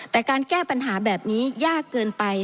แต่การแก้ปัญหาแบบนี้ยากเกินไป